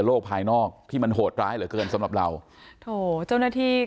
ภายนอกที่มันโหดร้ายเหลือเกินสำหรับเราโถเจ้าหน้าที่